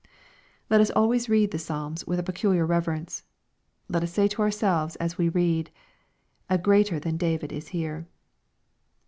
Let us always read the Psalms with a peculiar reverence. Let us say to ourselves as we read, " A greater than David is here."